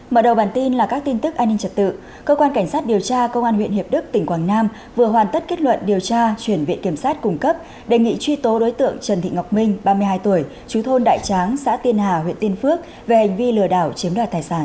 mở đầu bản tin là các tin tức an ninh trật tự cơ quan cảnh sát điều tra công an huyện hiệp đức tỉnh quảng nam vừa hoàn tất kết luận điều tra chuyển viện kiểm sát cung cấp đề nghị truy tố đối tượng trần thị ngọc minh ba mươi hai tuổi chú thôn đại tráng xã tiên hà huyện tiên phước về hành vi lừa đảo chiếm đoạt tài sản